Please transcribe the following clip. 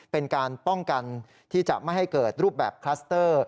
เป็นการป้องกันที่จะไม่ให้เกิดรูปแบบคลัสเตอร์